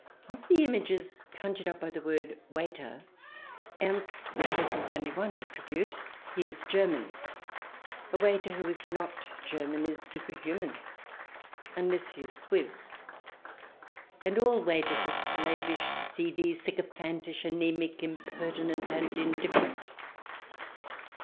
Of the images conjured up by the word " waiter," Ernst possesses only one attribute ; he is German. A waiter who is not German is superhuman unless he is Swiss, and all waiters are slavish, seedy, sycophantish, anaemic, impertinent, and indifferent.